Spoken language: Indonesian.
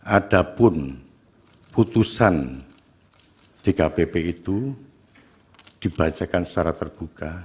adapun putusan dkpb itu dibacakan secara terbuka